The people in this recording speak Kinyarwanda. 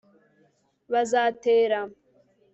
bazatera